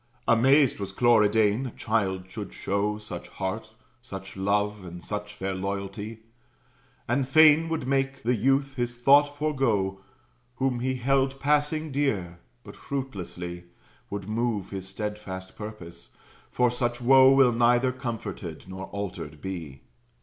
Amazed was Cloridane a child should show Such heart, such love, and such fair loyalty; And fain would make the youth his thought forego, Whom he held passing dear: but fruitlessly Would move his steadfast purpose; for such woe Will neither comforted nor altered be.